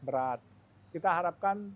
berat kita harapkan